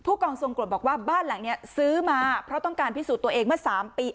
กองทรงกรดบอกว่าบ้านหลังนี้ซื้อมาเพราะต้องการพิสูจน์ตัวเองเมื่อ๓ปี